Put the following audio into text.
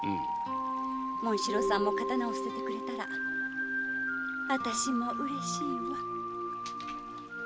紋四郎さんも刀を捨ててくれたら私もうれしいわ。